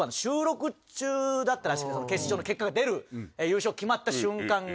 だったらしくて決勝の結果が出る優勝決まった瞬間が。